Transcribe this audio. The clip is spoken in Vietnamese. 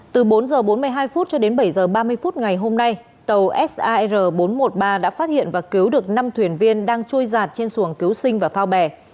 từ bốn h bốn mươi hai cho đến bảy h ba mươi phút ngày hôm nay tàu sar bốn trăm một mươi ba đã phát hiện và cứu được năm thuyền viên đang trôi giạt trên xuồng cứu sinh và phao bè